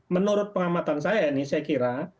menurut pengamatan saya ini saya kira